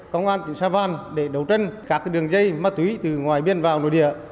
công an tỉnh sao văn để đấu tranh các đường dây ma túy từ ngoài biên vào nội địa